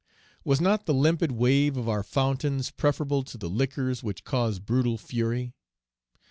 Was not the limpid wave of our fountains preferable to the liquors which cause brutal fury?